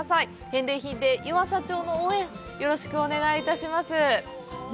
返礼品で、湯浅町の応援よろしくお願いいたします。